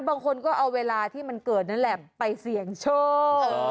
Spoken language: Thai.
บางคนก็เอาเวลาที่มันเกิดนั่นแหละไปเสี่ยงโชค